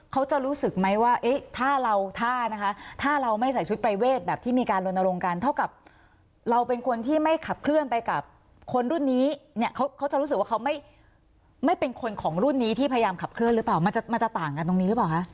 เขาจะรู้สึกไหมว่าเอ๊ะถ้าเราถ้านะคะถ้าเราไม่ใส่ชุดปรายเวทแบบที่มีการลนลงกันเท่ากับเราเป็นคนที่ไม่ขับเคลื่อนไปกับคนรุ่นนี้เนี่ยเขาจะรู้สึกว่าเขาไม่เป็นคนของรุ่นนี้ที่พยายามขับเคลื่อนหรือเปล่ามันจะต่างกันตรงนี้หรือเปล่าคะ